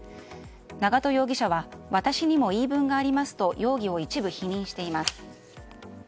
長門容疑者は私にも言い分がありますと容疑を一部否認しています。